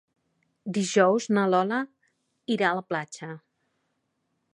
Dijous na Lola irà a la platja.